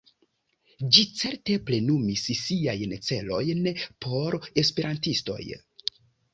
Ĝi certe plenumis siajn celojn por esperantistoj.